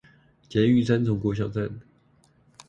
捷運三重國小站